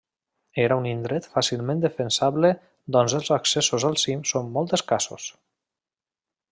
Era un indret fàcilment defensable doncs els accessos al cim són molt escassos.